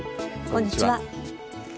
こんにちは。